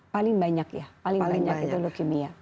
paling banyak ya paling banyak itu leukemia